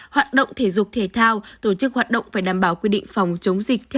hoạt động thể dục thể thao tổ chức hoạt động phải đảm bảo quy định phòng chống dịch theo